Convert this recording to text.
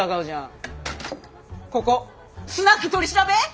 ここ「スナック取り調べ」！？